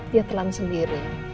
dia telan sendiri